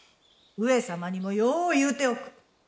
上様にもよう言うておく。